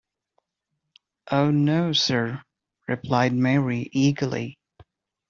‘Oh, no, Sir,’ replied Mary eagerly.